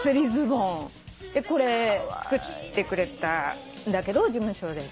これ作ってくれたんだけど事務所で。